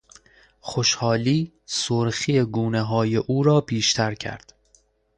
خوشحالی سرخی گونههای او را بیشتر کرد.